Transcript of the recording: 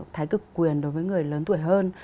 thái cực quyền đối với người lớn tuổi hơn